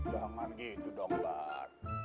jangan gitu dong bar